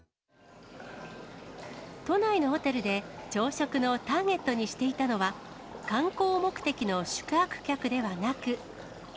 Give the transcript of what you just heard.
都内のホテルで朝食のターゲットにしていたのは、観光目的の宿泊客ではなく。